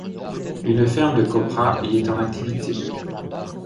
Une ferme de coprah y est en activité.